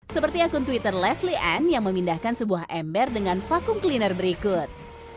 seperti akun twitter lesly and yang memindahkan sebuah ember dengan vakum cleaner berikut